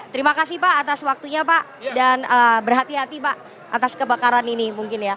terima kasih pak atas waktunya pak dan berhati hati pak atas kebakaran ini mungkin ya